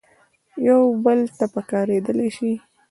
یو بل ته پکارېدلای شي.